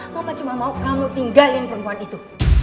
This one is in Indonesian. papa cuma mau kamu tinggalin perempuan itu